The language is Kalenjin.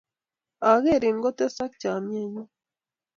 Akerin kotesak chomye nyun.